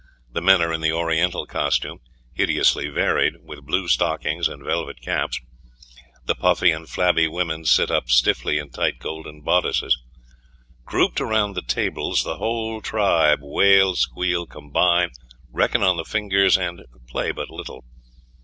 The men are in the Oriental costume; hideously varied with blue stockings and velvet caps. The puffy and flabby women sit up stiffly in tight golden bodices. Grouped around the tables, the whole tribe wail, squeal, combine, reckon on the fingers, and play but little.